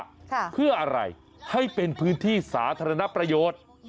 ค่ะเพื่ออะไรให้เป็นพื้นที่สาธารณประโยชน์